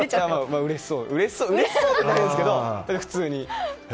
うれしそうではないですけど普通に。